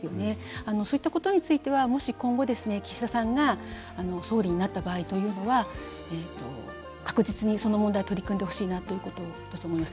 そういったことについてはもし今後、岸田さんが総理になった場合というのは確実に、その問題取り組んでほしいなということを私は思います。